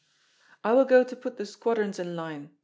"I will go to put the squadrons in line!"